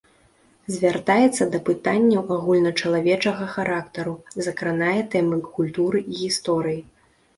Звяртаецца да пытанняў агульначалавечага характару, закранае тэмы культуры і гісторыі.